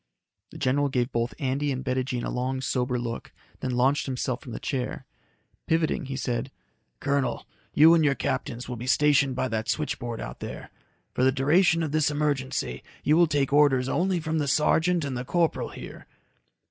The general gave both Andy and Bettijean a long, sober look, then launched himself from the chair. Pivoting, he said, "Colonel, you and your captains will be stationed by that switchboard out there. For the duration of this emergency, you will take orders only from the sergeant and the corporal here."